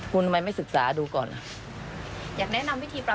คุณทำไมไม่ศึกษาดูก่อน